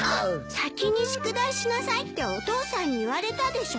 先に宿題しなさいってお父さんに言われたでしょ。